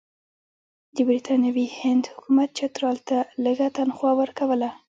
د برټانوي هند حکومت چترال ته لږه تنخوا ورکوله.